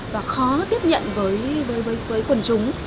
và khó tiếp nhận với quần chúng